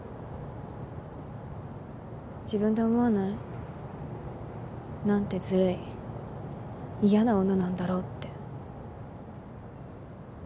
自分で思わない？なんてずるい嫌な女なんだろうって。